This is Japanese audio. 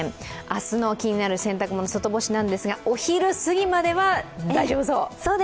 明日の気になる洗濯物、外干しですが、お昼過ぎまでは大丈夫そう。